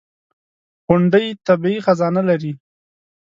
• غونډۍ طبیعي خزانه لري.